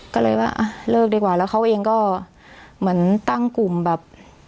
ก็เลยว่าอ่ะเลิกดีกว่าแล้วเขาเองก็เหมือนตั้งกลุ่มแบบ